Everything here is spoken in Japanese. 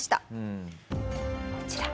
こちら。